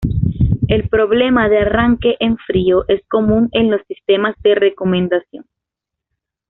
El problema de arranque en frío, es común en los sistemas de recomendación.